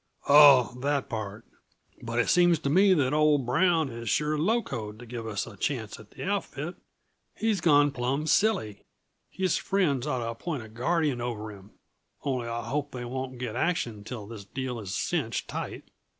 "Oh that part. But it seems to me that old Brown is sure locoed to give us a chance at the outfit. He's gone plumb silly. His friends oughta appoint a guardian over him only I hope they won't get action till this deal is cinched tight."